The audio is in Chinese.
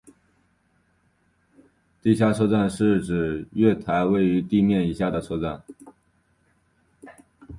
地下车站是指月台位于地面以下的车站。